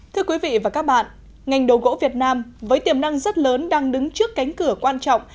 thưa quý vị và các bạn ngành đồ gỗ việt nam với tiềm năng rất lớn đang đứng trước cánh cửa quan trọng